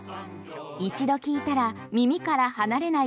一度聞いたら耳から離れない